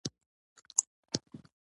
ښه خبره عقل ته غذا ده.